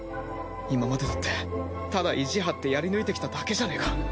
今までだってただ意地張ってやり抜いてきただけじゃねえか。